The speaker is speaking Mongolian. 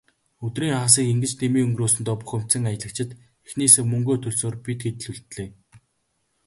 Өдрийн хагасыг ингэж дэмий өнгөрөөсөндөө бухимдсан аялагчид эхнээсээ мөнгөө төлсөөр, бид хэд л үлдлээ.